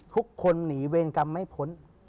ทุกคนหนีเวรกรรมไม่พ้น